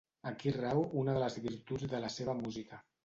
Aquí rau una de les virtuts de la seva música.